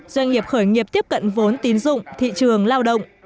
doanh nghiệp khởi nghiệp tiếp cận vốn tín dụng thị trường lao động